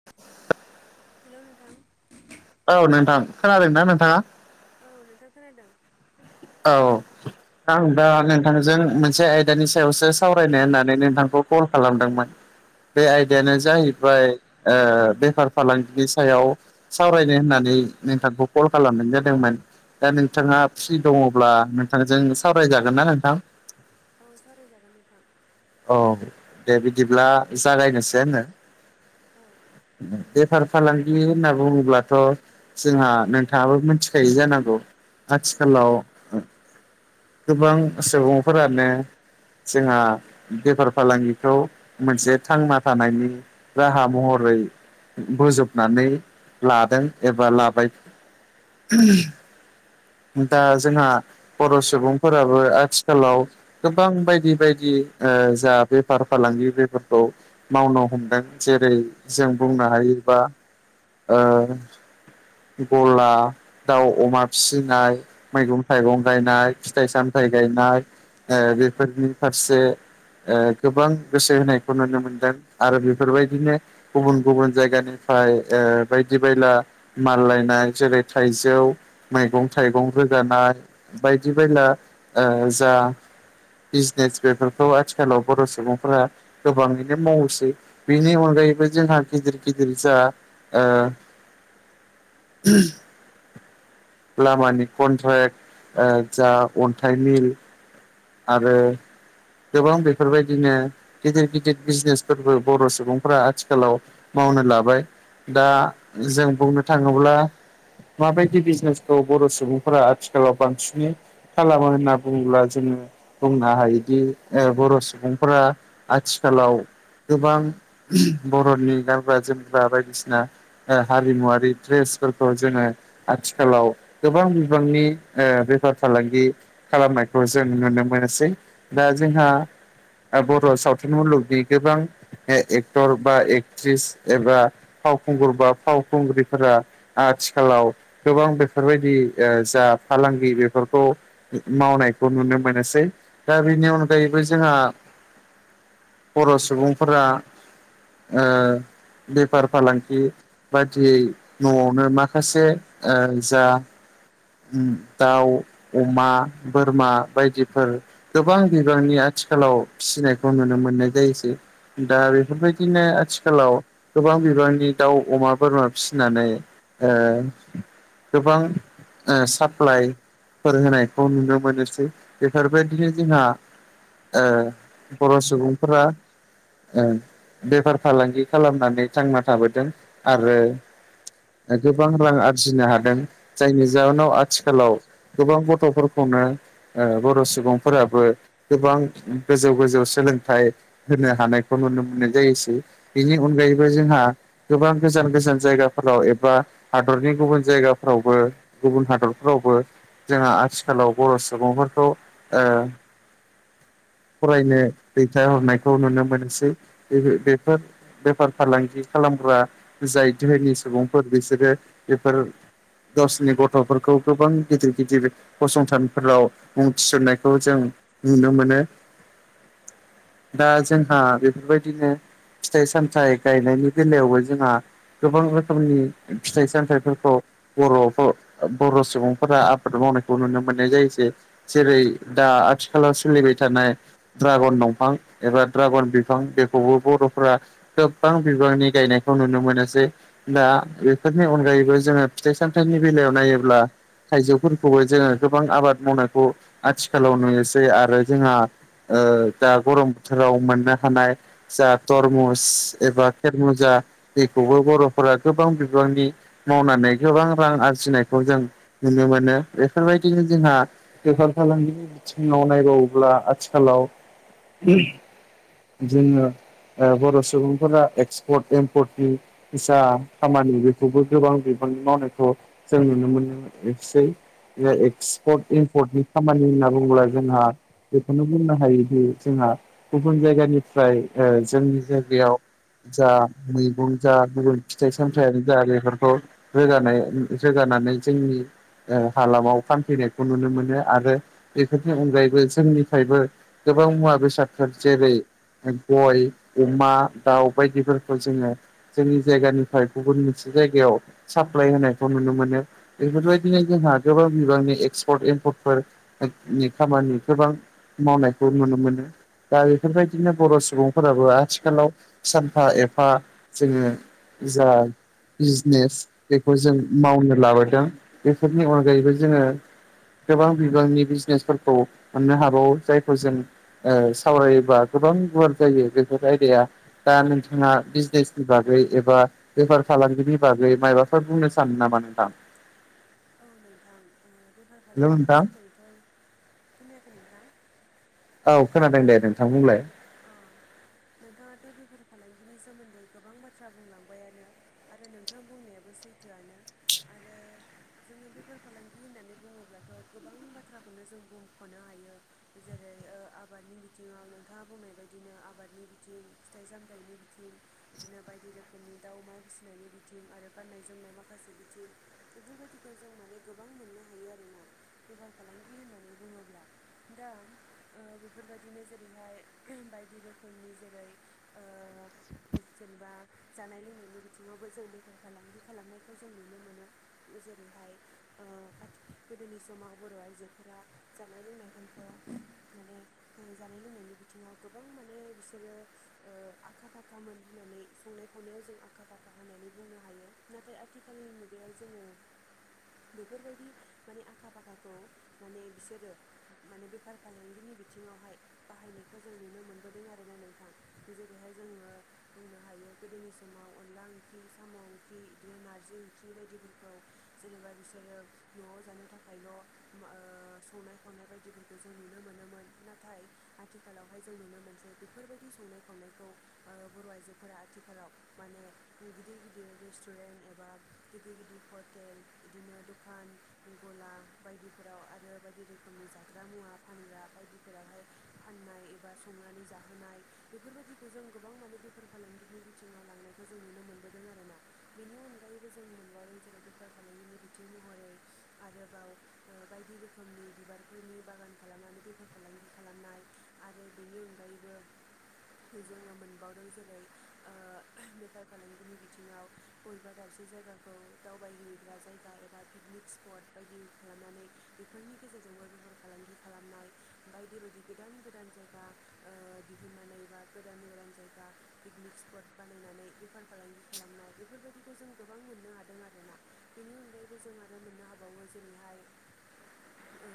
[inaudible] हेल' नोंथां औ नोंथां खोनादों ना नोंथाङा? औ नोंथां खोनादों। औ आं दा नोंथांजों मोनसे आयदानि सायावसो सावरायनो होननानै नोंथांखौ कल खालामदोंमोन। बे आयदायानो औ जाहैबाय ओ बेफार फालांगिनि सायाव। सावरायनो होननानै नोंथांखौ कल खालामनाय जादोंमोन दा नोंथाङा फ्रि दङब्ला नोंथांजों सावरायजागोन ना नोंथां? औ सावरायजागोन नोंथां। औ दे बिदिब्ला जागायनोसै होननो औ बेफार फालांगि होनना बुङोब्लाथ' जोंहा नोंथाङाबो मिथिखायो जानांगौ उम आथिखालाव गोबां सुबुंफोरानो जोंहा बेफार फालांगिखौ मोनसे थांना थानायनि राहा महरै बोजबनानै लादों एबा लाबाय दा जोंहा बर' सुबुंफोराबो आथिखालाव गोबां बायदि बायदि जा बेफार फालांगि बेफोरखौ मावनो हमदों जेरै जों बुंनो हायोबा ओ गला दाउ अमा फिसि फिसिनाय मैगं थाइगं गायनाय फिथाइ सामथायाइ गायनाय ओ बेफोरनि फारसे ओ गोबां गोसो होनायखौ नुनो मोनदों आरो बेफोरबायदिनो गुबुन गुबुन जायगानिफ्राय बायदि बायला माललायनाय जेरै थाइजौ मैगं थाइगं रोगाना बायदि बायला जा बिजनेस बेफोरखौ आथिखालाव बर' सुबुंफोरा गोबाङैनो मावसै बेनि अनगायैबो जोंहा गिदिर गिदिर जा ओ। लामानि कन्ट्रेक्ट ओ जा अन्थाइनि आरो गोबां बेफोरबायदिनो गिदिर गिदिर बिजनेसफोरबो बर' सुबुंफ्रा आथिखालाव लाबाय दा बुंनो थाङोब्ला माबायदि बिजनेसखौ बर' सुबुंफोरा आथिखालाव बांसिनै खालामा होनना बुङोब्ला जोङो बुंनो हायोदि बर' सुबुंफोरा आथिखालाव गोबां बर'नि गानग्रा जोमग्रा बायदिसिना हारिमुवारि ड्रेसफोरखौ जोङो आथिखालाव गोबां बिबांनि बेफार फालांगि खालामनायखौ जों नुनो मोनो। मोनोसै दा जोंहा बर' सावथुन मुलुगनि गोबां एक्टर बा एक्ट्रिस एबा फावखुंगुर बा फावखुंग्रिफोरा आथिखालाव गोबां बेफोरबायदि जा फालांगि बेफोरखौ मावनायखौ नुनो मोनोसै दा बेनि अनगायैबो जोंहा बर' सुबुंफोरा ओ बेफार फालांगि बादियै न'आवनो माखासे ओ जा दाउ अमा बोरमा बायदि फोर गोबां बिबांनि आथिखालाव फिसिनायखौ नुनो मोननाय जायोसै। दा बेफोरबायदिनो आथिखालाव गोबां बिबांनि दाउ अमा बोरमा फिसिनानै ओ। गोबां ओ साप्लायफोर होनायखौ नुनो मोनोसै। बेफोरबायदिनो जोंहा ओ बर' सुबुंफोरा ओ। बेफार फालांगि खालामनानै थांना थाबोदों आरो गोबां रां आरजिनो हादों जायनि जाहोनाव आथिखालाव गोबां गथ'फोरखौनो ओ बर' सुबुंफोराबो गोबां गोजौ गोजौ सोलोंथाइ होनो हानायखौ नुनो मोननाय जायोसै बेनि अनगायैबो जोंहा गोबां गोजान गोजान जायगाफोराव एबा हादरनि गुबुन जायगाफोरावबो गुबुन हादरफोरावबो जोंहा आथिखालाव बर' सुबुंफोरखौ ओ फरायनो दैथायहरनायखौ नुनो मोनसै बे-बेफोर बेफार फालांगि खालामग्रा जाय धोरनि सुबुंफोर बिसोरो बेफोर गावसनि गथ'फोरखौ गोबां गिदिर गिदिर फसंथानफोराव मुं थिसन्नायखौ जों नुनो मोनो। दा जोंहा बेफोरबायदिनो फिथाइ सामथाइ गायनायनि बेलायावबो जोंहा गोबां रोखोमनि फिथाइ सामथाइफोरखौ बर'फो बर' सुबुंफोरा आबाद मावनायखौ नुनो मोननाय जायोसै। जेरै दा आथिखालाव सोलिबाय थानाय ड्रागन दंफां एबा ड्रागन बिफां बेखौबो बर'फोरा गोबां बिबांनि गायनायखौ नुनो मोनोसै। दा बेफोरनि अनगायैबो जोङो फिथाइ सामथाइनि बेलायाव नायोब्ला थाइजौफोरखौबो जोङो गोबां आबाद मावनायखौ आथिखालाव नुयोसै आरो जोंहा ओ दा गरम बोथोराव मोननो हानाय जा तरमुस एबा खेरमुजा बेखौबो बर'फोरा गोबां बिबांनि मावनानै गोबां रां आरजिनायखौ जों नुनो मोनो बेफोरबायदिनो जोंहा बेफार फालांगिनि बिथिङाव नायबावोब्ला आथिखालाव जोङो ओ बर' सुबुंफोरा एक्सपर्ट एम्पर्टनि जा खामानि बेखौबो गोबां बिबांनि मावनायखौ जों नुनो मोनोमोन सै एक्सपर्ट एम्प पर्टनि खामानि होनना बुङोब्ला जोंहा बेखौनो बुंनो हायोदि जोंहा गुबुन जायगानिफ्राय ओ जोंनि जायगायाव जा मैगं जा गुबुन फिथाइ सामथायानो जा बेफोरखौ रोगानाय रोगानानै जोंनि ओ हालामाव फानफैनायखौ नुनो मोन नो आरो बेफोरनि अनगायैबो जोंनिफ्रायबो गोबां मुवा बेसादफोर जेरै गय, अमा, दाउ बायदिफोरखौ जोङो जोंनि जायगानिफ्राय गुबुन मोनसे जायगायाव साप्लाय होनायखौ नुनो मोनो। बेफोरबायदिनो जोंहा गोबां बिबांनि एक्सपर्ट एम्पर्ट फोर नि खामानि गोबां मावनायखौ नुनो मोनो। दा बेफोरबायदिनो बर' सुबुंफोराबो आथिखालाव सानफा एफा जोङो जाय बिजनेस बेखौ जों मावनो लाबोदों बेफोरनि अनगायैबो जोङो गोबां बिबांनि बिजनेसफोरखौ मोननो हाबावो जायखौ जों ओ सावरायोबा गोबां गुवार जायो बेफोर आयदाया। दा नोंथाङा बिजनेसनि बागै एबा बेफार फालांगिनि बागै मायबाफोर बुंनो सानो नामा नोंथां? औ नोंथां ओ बेफार हेलौ फालांगिनि नोंथां सोमोन्दैथ' खोनायाखै नोंथां? औ खोनादों दे नोंथां बुंलाय। अ नोंथाङाथ' बेफार फालांगिनि सोमोन्दै गोबां बाथ्रा बुंलांबायानो। आरो नोंथां बुंनायाबो सैथोआनो आरो जोङो बेफार फालांगि होननानै बुङोब्लाथ' गोबां बाथ्राखौनो जों बुंख'नो हायो। जेरै ओ आबादनि बिथिङाव नोंथाङा बुंनाय बायदिनो आबादनि बिथिं फिथाइ सामथाइनि बिथिं बिदिनो बायदि रोखोमनि दाउ अमा फिसिनायनि बिथिं आरो गाननाय जोमनाय माखासे बिथिं। बेफोरबायदिखौ जों माने गोबां मोननो हायो आरोना बेफार फालांगि होननानै बुङोब्ला। दा ओ बेफोरबायदिनो जेरैहाय बायदि रोखोमनि जेरै ओ जेनेबा जानाय लोंनायनि बिथिङावबो जों बेफार फालांगि खालामनायखौ जों नुनो मोनो जेरैहाय ओ आथि गोदोनि समाव बर' आइजोफोरा जानाय लोंनायफोरखौ माने उम जानाय लोंनायनि बिथिङाव गोबां माने बिसोरो ओ आखा फाखामोन होननानै संनाय खावनायाव जों आखा फाखा होननानै बुंनो हायो। नाथाय आथिखालनि मुगायाव जोङो बेफोरबायदि माने आखा फाखाखौ माने बिसोरो माने बेफार फालांगिनि बिथिंङावहाय बाहायनो जों नुनो मोनबोदों आरोना नोंथां जेरैहाय जोङो बुंनो हायो गोदोनि समाव अनला ओंख्रि साम' ओंख्रि बिदिनो नारजि ओंख्रि बायदिफोरखौ जेनेबा बिसोरो न'आव जानो थाखायल' ओह संनाय खावनाय बायदिफोरखौ जों नुनो मोनोमोन नाथाय आथिखालावहाय जों नुनो मोनसै बेफोरबायदि संनाय खावनायखौ ओ बर' आइजोफोरा आथिखालाव माने गिदिर गिदिर रेस्टुरेन्ट एबा गिदिर गिदिर हटेल इदिनो दखान गला बायदिफोराव आरो बायदि रोखोमनि जाग्रा मुवा फानग्रा बायदिफोरावहाय फाननाय एबा संनानै जाहोनाय बेफोरबायादिखौ जों गोबां माने बेफोर फालांगिनि बिथिङाव लांनायखौ जों नुनो मोनबोदों आरोना बेनि अनगायैबो जों मोनबावदों जेरै बेफार फालांगिनि बिथिं महरै आरोबाव ओ बायदि रोखोमनि बिबारफोरनि बागान खालामनानै बेफार फालांगि खालामनाय आरो बेनि अनगायैबो जोङो मोनबावदों जेरै ओ बेफार फालांगिनि बिथिङाव बबेबा दाबसे जायगाखौ दावबायहैग्रा जायगा एबा पिकनिक स्पट बायदि खालामनानै बेफोरनि गेजेरजोंबो बेफार फालांगि खालामनाय ओमफाय बायदि बायदि गोदान गोदान जायगा ओ दिहुननानै बा गोदान गोदान जायगा पिकनिक स्पट बानायनानै बेफार फालांगि खालामनाय बेफोरबायदिखौ जों गोबां मोननो हादों आरोना बेनि अनगायैबो जों आरो मोननो हाबावो जेरैहाय ओ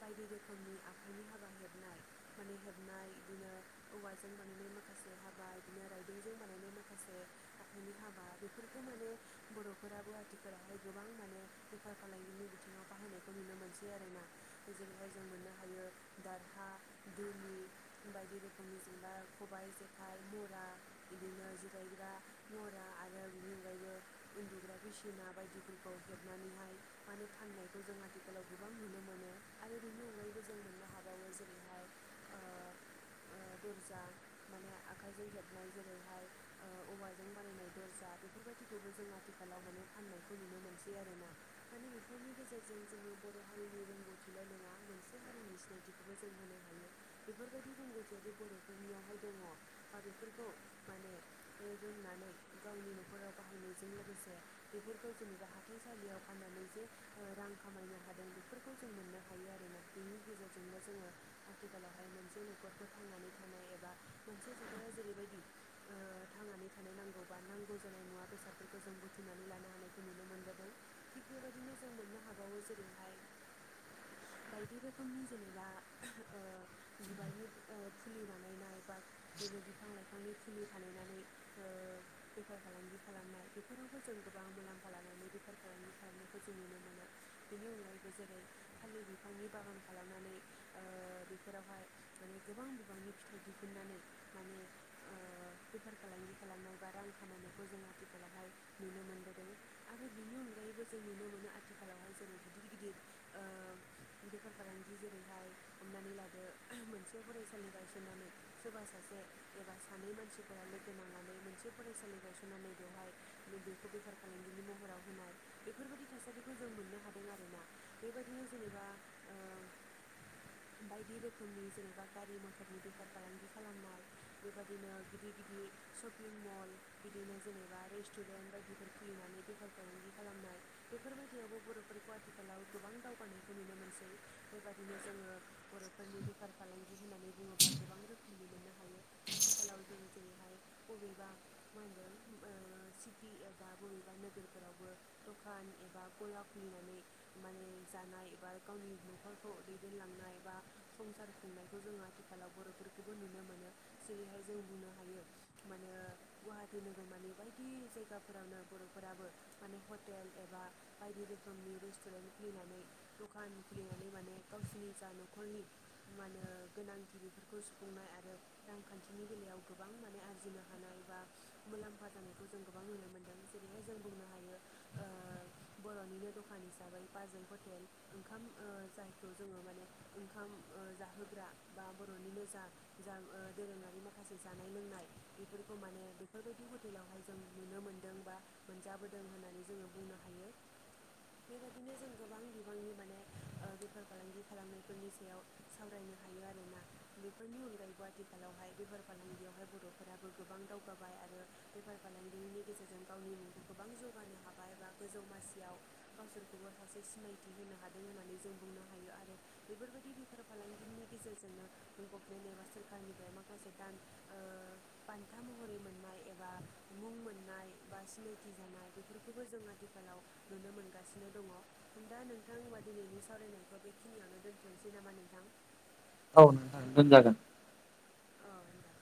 बायदि रोखोमनि आखाइनि हाबा हेबनाय माने हेबनाय इदिनो औवाजों बानायनाय माखासे हाबा इदिनो राइदिंजों बानायनाय माखासे आखाइनि हाबा बेफोरखौ माने बर'फोराबो आथिखालावहाय गोबां माने बेफार फालांगिनि बिथिङाव बाहायनायखौ नुनो मोनसै आरोना जेरैहाय जों मोननो हायो दारहा दुलि बायदि रोखोमनि जेनेबा खबाइ जेखाइ मुरा इदिनो जिरायग्रा मुरा आरो बिनि अनगायैबो उन्दुग्रा बिसिना बायदिफोरखौ हेबनानैहाय माने फाननायखौ जों आथिखालाव गोबां नुनो मोनो आरो बेनि अनगायैबो जों मोननो हाबावो जेरैहाय ओ ओ दरजा माने आखाइजों हेबनाय जेरैहाय ओ औवाजों बानायनाय दरजा बेफोरबायदिखौबो जों आथिखालाव माने फाननायखौ नुनो मोनसै आरोना माने बेफोरनि गेजेरजों जोङो बर' हारिनि रोंगौथिल' नङा मोनसे हारिनि सिनायथिखौबो जों होनो हायो बेफोरबायदि रोंगौथियादि बर'फोरनियावहाय बा बेफोरखौ माने रोंनानै गावनि न'खराव बाहायनायजों लोगोसे बेफोरखौ जेनेबा हाथाइसालियाव फाननानै जे रां खामायनो हादों बेफोरखौ जों मोननो हायो आरोना बेनि गेजेरजोंबो जोङो आथिखालावहाय मोनसे न'खरफोर थांनानै थानाय एबा मोनसे नखरा जेरैबायदि ओ थांनानै थानाय नांगौ बा नांगौ जानाय मुवा बेसादफोरखौ जों बुथुमनानै लानो हानायखौ नुनो मोनबोदों थिग बेबायदिनो जों मोननो हाबावो जेरैहाय बायदि रोखोमनि जेनेबा ओ बिबारनि ओ फुलि बानायनाय बा बिनो बिफां लाइफां बिफांनि फुलि बानायना नै ओ बेफार फालांगि खालामनाय बेफोरावबो जों गोबां मुलाम्फा लानानै बेफार फालांगि खालामनायखौ जों नुनो मोनो बेनि अनगायैबो जेरै थालिर बिफांनि बागान खालामनानै ओ बेफोरावहाय माने गोबां बिबांनि फिथाइ दिहुननानै माने ओ बेफार फालांगि खालामनाय बा रां खामायनायखौ जों आथिखालावहाय नुनो मोनबोदों। आरो बिनि अनगायैबो जों नुनो मोनो आथिखालावहाय जेरै गिदिर गिदिर ओ बेफार फालांगि जेरैहाय हमनानै लादो मोनसे फरायसालि गायसननानै सोरबा सासे एबा सानै मानसिफोरा लोगो नांनानै मोनसे फरायसालि गायसननानै बेवहाय बेखौ बेफार फालांगिनि महराव होनाय बेफोरबादि थासारिखौ जों मोननो हादों आरोना। बेबायदिनो जेनेबा ओ बायदि रोखोमनि जेनेबा गारि मथरनि बेफार फालांगि खालामनाय। बेबायदिनो गिदिर गिदिर शपिं मल बिदिनो जेनेबा रेस्टुरेन्ट बायदिफोर खुलिनानै बेफार फालांगि खालामनाय। बेफोरबायदियावबो बर'फोरखौ आथिखालाव गोबां दावगानायखौ नुनो मोनसै बेबादिनो जोङो बर'फोरनि बेफार फालांगि होननानै बुङोब्ला गोबां रोखोमनि मोननो हायो। आथिखालाव जोङो जेरैहाय बबेबा मा होनो ओ सिटि एबा बबेबा नोगोरफोरावबो दखान एबा गला खुलिनानै माने जानाय एबा गावनि न'फोरखौ दैदेनलांनाय एबा संसार खुंनायखौ जोङो आथिखालाव बर'फोरखौबो नुनो मोनो जेरैहाय जों बुंनो हायो मानो गुवाहाटि नोगोरमानि बायदि जायगाफोरावनो बर'फोराबो माने हटेल एबा बायदि रोखोमनि रेस्टुरेन्ट खुलिनानै दखान खुलिनानै माने गावसिनि जा न खरनि मा होनो गोनांथि बेफोरखौ सुफुंनाय आरो रांखान्थिनि बेलायाव गोबां माने आरजिनो हानाय बा मुलाम्फा जानायखौ जों गोबां नुनो मोनदों जेरैहाय जों बुंनो हायो ओ बर'निनो दखान हिसाबै बाजै हटेल ओंखाम ओ जायखौ जोङो माने ओंखाम ओ जाहोग्रा बा बर'निनो जा जा ओ दोरोङारि माखासे जानाय लोंनाय बेफोरखौ माने बेफोरबायदि हटेलावहाय जों नुनो मोन दों बा मोनजाबोदों होननानै जोङो बुंनो हायो। बेबायदिनो जों गोबां बिबांनि माने ओ बेफार फालांगि खालामनायफोरनि सायाव सावरायनो हायो आरोना बेफोरनि अनगायैबो आथिखालावहाय बेफार फालांगियावहाय बर'फोराबो गोबां दाव गाबाय आरो बेफार फालांगिनि गेजेरजों गावनि मुंखौ गोबां जौगानो हाबाय एबा गोजौ मासियाव गावसोरखौबो सासे सिनायथि होनो हादों होननानै जों बुंनो हायो आरो बेफोरबायदि बेफार फालांगिनि गेजेरजोंनो गभमेन्ट एबा सोरखारनिफ्राय माखासे दान ओ बान्था महरै मोननाय एबा मुं मोननाय बा सिनायथि जानाय बेफोरखौबो जों आथिखालाव नुनो मोनगासिनो दङ जों दा नोंथां होमबा दिनैनि सावरायनायखौ बेखिनियावनो दोन थनोसै नामा नोंथां? औ दोनजागोन। अ दे